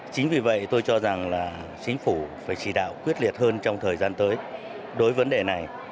chính vì vậy tôi cho rằng là chính phủ phải chỉ đạo quyết liệt hơn trong thời gian tới đối với vấn đề này